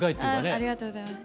ありがとうございます。